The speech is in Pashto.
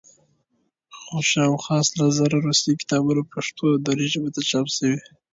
شاوخوا لس زره روسي کتابونه پښتو او دري ژبو ته چاپ شوي.